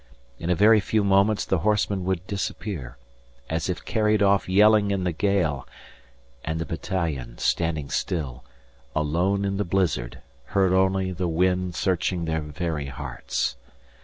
In a very few moments the horsemen would disappear, as if carried off yelling in the gale, and the battalion, standing still, alone in the blizzard, heard only the wind searching their very hearts.